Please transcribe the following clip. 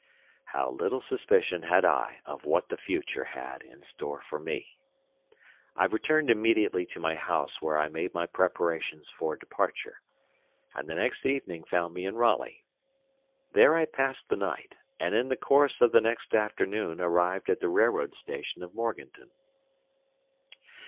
How little suspicion had I of what the future had in store for me! I returned immediately to my house where I made my preparations for departure; and the next evening found me in Raleigh. There I passed the night, and in the course of the next afternoon arrived at the railroad station of Morganton.